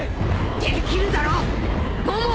できるだろモモ！